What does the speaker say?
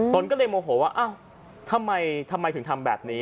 ตนก็เลยโมโหว่าทำไมถึงทำแบบนี้